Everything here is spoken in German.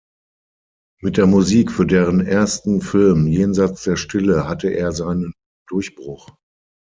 Mit der Musik für deren ersten Film "Jenseits der Stille" hatte er seinen Durchbruch.